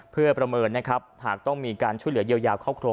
เพื่อประเมินนะครับถ้าต้องมีการช่วยเหลือยาวเข้าครัว